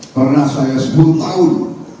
pernah saya sepuluh tahun